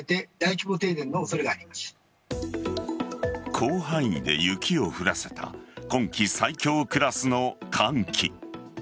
広範囲で雪を降らせた今季最強クラスの寒気。